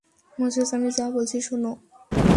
Moses, আমি যা বলছি শোনো।